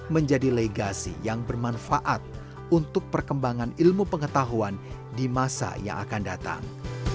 menjadi legasi yang bermanfaat untuk perkembangan ilmu pengetahuan di masa yang akan datang